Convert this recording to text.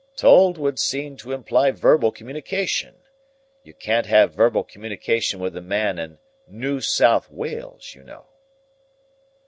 "Told would seem to imply verbal communication. You can't have verbal communication with a man in New South Wales, you know."